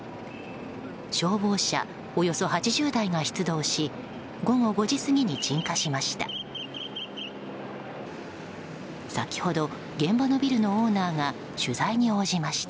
消防車およそ８０台が出動し午後５時過ぎに鎮火しました。